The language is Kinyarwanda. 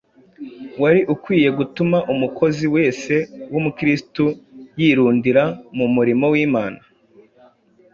wari ukwiye gutuma umukozi wese w’Umukristo yirundurira mu murimo w’Imana